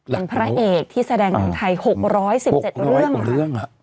เป็นพระเอกที่แสดงหนังไทย๖๑๗เรื่อง